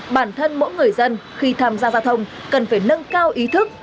bản thân mỗi người dân khi tham gia giao thông cần phải nâng cao ý thức